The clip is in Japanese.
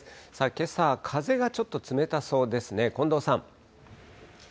けさ、風がちょっと冷たそうですね、近藤さん。